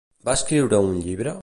Va escriure un llibre?